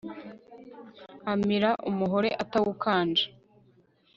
Amira umuhore atawukanje